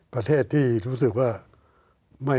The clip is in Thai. ประเทศที่รู้สึกว่า